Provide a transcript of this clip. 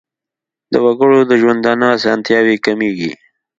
د وګړو د ژوندانه اسانتیاوې کمیږي.